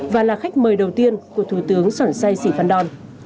và là khách mời đầu tiên của thủ tướng sỏn sai sĩ phan đòn